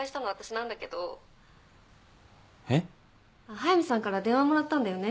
速見さんから電話もらったんだよね